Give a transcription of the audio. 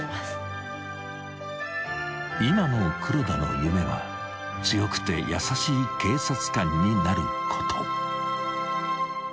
［今の黒田の夢は強くて優しい警察官になること］